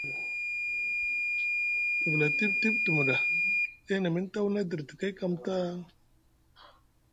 Te vula tiɓ tiɓ te muɗa ɗay na miŋ tawuna e dirti kay kam taa.